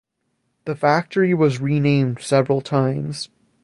The factory was renamed several times.